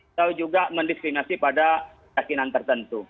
atau juga mendiskriminasi pada keyakinan tertentu